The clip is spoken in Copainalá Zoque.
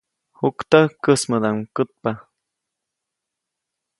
Juktäjk käjsmädaʼmuŋ kätpa.